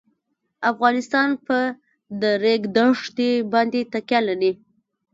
افغانستان په د ریګ دښتې باندې تکیه لري.